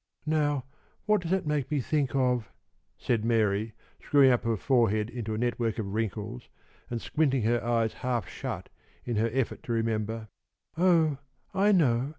"Now what does that make me think of?" said Mary, screwing up her forehead into a network of wrinkles and squinting her eyes half shut in her effort to remember. "Oh, I know!